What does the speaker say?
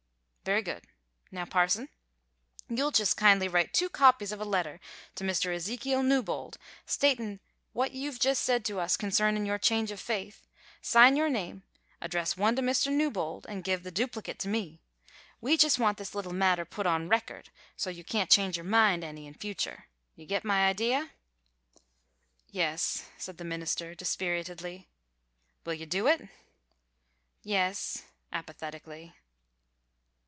"Very good. Now, parson, you'll just kindly write two copies of a letter to Mr. Ezekiel Newbold statin' what you've just said to us concernin' your change of faith, sign your name, address one to Mr. Newbold, an' give the duplicate to me. We just want this little matter put on record so you can't change your mind any in future. Do you get my idea?" "Yes," said the minister, dispiritedly. "Will you do it?" "Yes," apathetically.